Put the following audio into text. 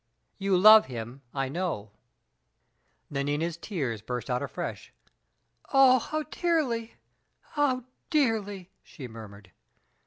You love him, I know " Nanina's tears burst out afresh. "Oh, how dearly how dearly!" she murmured.